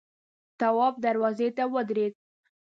تواب دروازې ته ودرېد.